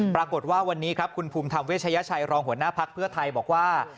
ปรากฏว่าวันนี้ครับคุณภูมิธรรมเวชยชัยรองหัวหน้าภักดิ์เพื่อไทยบอกว่า